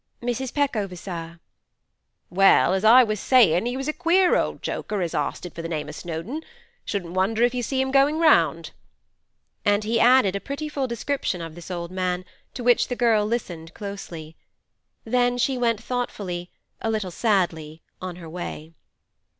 'Mrs. Peckover, sir.' 'Well, as I was sayin', he was a queer old joker as arsted for the name of Snowdon. Shouldn't wonder if you see him goin' round.' And he added a pretty full description of this old man, to which the girl listened closely. Then she went thoughtfully—a little sadly—on her way.